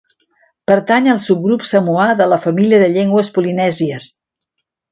Pertany al subgrup samoà de la família de llengües polinèsies.